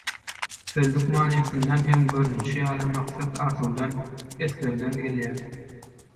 Sözlük manysyndan hem görnüşi ýaly maksat arzuwdan, islegden gelýär.